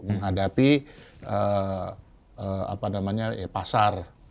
menghadapi apa namanya ya pasar